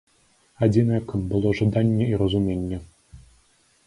Адзінае, каб было жаданне і разуменне.